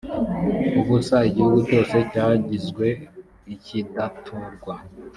ubusa igihugu cyose cyagizwe ikidaturwa